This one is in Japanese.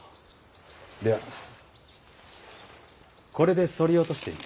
ではこれでそり落としてみよ。